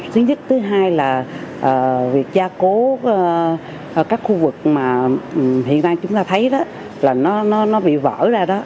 thứ nhất thứ hai là việc gia cố các khu vực hiện nay chúng ta thấy bị vỡ ra